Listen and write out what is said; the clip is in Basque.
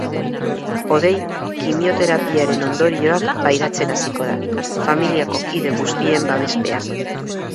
Hodei kimioterapiaren ondorioak pairatzen hasiko da, familiako kide guztien babespean.